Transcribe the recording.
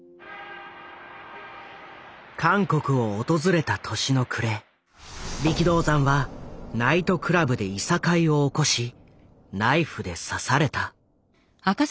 韓国を訪れた年の暮れ力道山はナイトクラブでいさかいを起こしナイフで刺された。